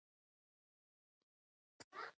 پیلوټ د قضاوت قوت لري.